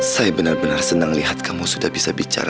saya benar benar senang lihat kamu sudah bisa bicara